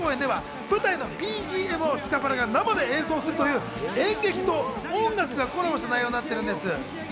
今回の打ち上げ公演では舞台のＢＧＭをスカパラが生で演奏するという、演劇と音楽がコラボした内容になっているんです。